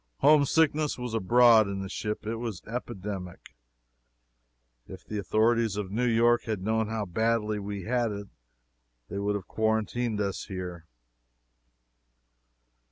Homesickness was abroad in the ship it was epidemic. If the authorities of New York had known how badly we had it, they would have quarantined us here.